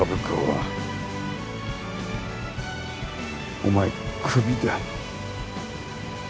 お前クビだ。